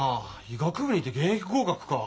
医学部にいて現役合格か。